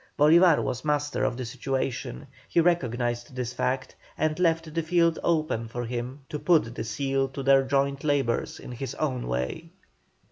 Bolívar was master of the situation, he recognised this fact, and left the field open for him to put the seal to their joint labours in his own way.